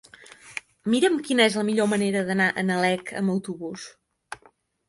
Mira'm quina és la millor manera d'anar a Nalec amb autobús.